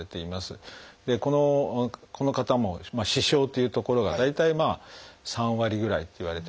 この方も「視床」という所が大体３割ぐらいっていわれてます。